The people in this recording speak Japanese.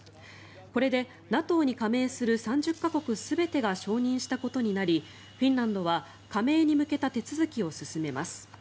これでＮＡＴＯに加盟する３０か国全てが承認したことになりフィンランドは加盟に向けた手続きを進めます。